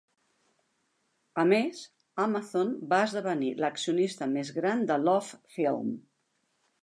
A més, Amazon va esdevenir l"accionista més gran de LoveFilm.